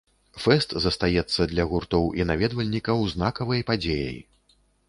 Фэст застаецца для гуртоў і наведвальнікаў знакавай падзеяй.